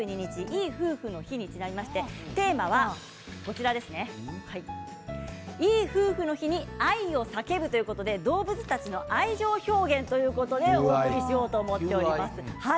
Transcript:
いい夫婦の日にちなみましてテーマはいい夫婦の日に愛を叫ぶということで動物たちの愛情表現ということでお届けしようと思っています。